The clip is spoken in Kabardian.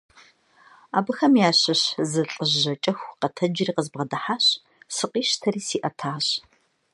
Абыхэм ящыщ зы лӀыжь жьакӀэху къэтэджри къызбгъэдыхьащ, сыкъищтэри сиӀэтащ.